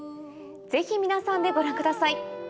ぜひ皆さんでご覧ください。